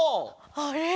あれ？